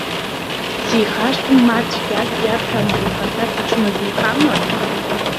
Сихашҭма, ма цәгьак иарҳәама, ихаҭа дычмазаҩхама?